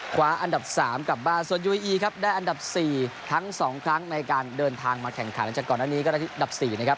ขอบคุณครับ